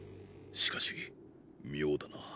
しかし妙だな。